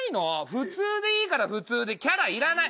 普通でいいからキャラいらない。